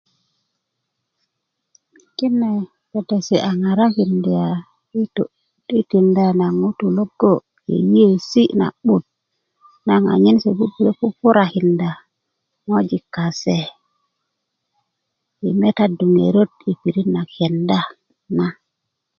'n kine petesi a ŋarakinda i tinda na ŋutu logo yeyiyesi na'but naŋ anyen se bubulö pupurakinda ŋojik kase i metadu ŋero i pirit na kenda na